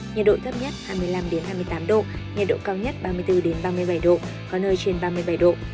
nhiệt độ thấp nhất hai mươi năm hai mươi tám độ nhiệt độ cao nhất ba mươi bốn ba mươi bảy độ có nơi trên ba mươi bảy độ